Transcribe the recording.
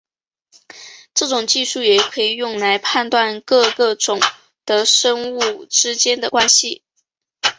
这种技术也可以用来判断各个种的生物之间的关系。